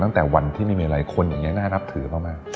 ตั้งแต่วันที่ไม่มีหลายคนอย่างนี้น่านับถือมาก